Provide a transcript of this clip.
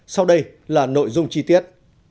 sau đây là nội dung chi tiết